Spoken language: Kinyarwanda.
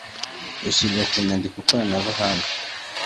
ushyirwa ku nyandiko koranabuhanga